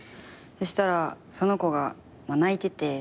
そしたらその子が泣いてて。